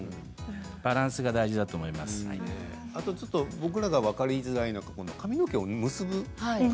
僕らが分かりづらいのは髪の毛を結ぶ方